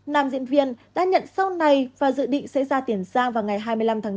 nam diễn viên đã nhận sau này và dự định sẽ ra tiền giang vào ngày hai mươi năm tháng năm